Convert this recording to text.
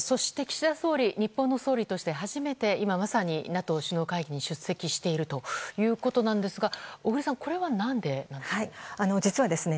日本の総理として今まさに初めてＮＡＴＯ首脳会議に出席しているということなんですが小栗さんこれは何でなんですか？